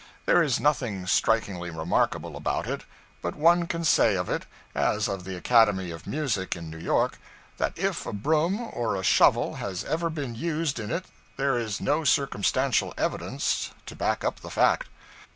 There is nothing strikingly remarkable about it; but one can say of it as of the Academy of Music in New York, that if a broom or a shovel has ever been used in it there is no circumstantial evidence to back up the fact.